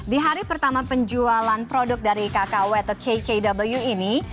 di hari pertama penjualan produk dari kkw atau kkw ini